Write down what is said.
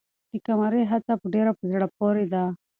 د قمرۍ هڅه ډېره په زړه پورې ده.